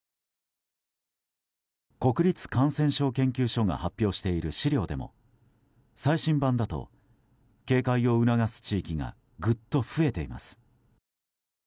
国立感染症研究所が発表している資料でも最新版だと、警戒を促す地域がぐっと増えています。